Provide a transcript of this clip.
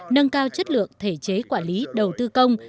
nâng cao chất lượng thể chế quản lý đầu tư công